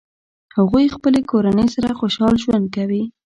هغوی خپلې کورنۍ سره خوشحال ژوند کوي